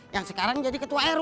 yang sekarang jadi ketua rw